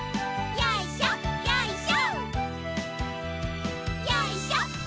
よいしょよいしょ。